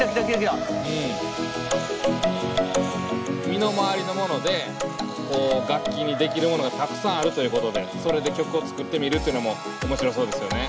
身の回りのもので楽器にできるものがたくさんあるということでそれで曲を作ってみるっていうのも面白そうですよね。